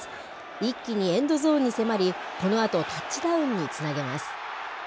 一気にエンドゾーンに迫り、このあと、タッチダウンにつなげます。